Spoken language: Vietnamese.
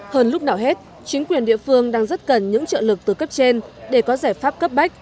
hơn lúc nào hết chính quyền địa phương đang rất cần những trợ lực từ cấp trên để có giải pháp cấp bách